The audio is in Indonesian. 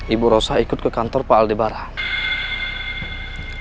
ibu rosa ikut ke kantor pak aldebaran